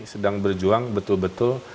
sedang berjuang betul betul